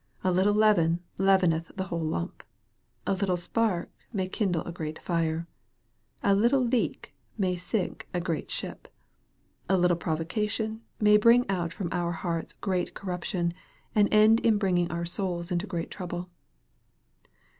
A little leaven leaveneth the whole lump. A little spark may kindle a great fire. A little leak may sink a great ship. A little provocation may bring out from our hearts great corruption, and end in bringing our souls into great trouble.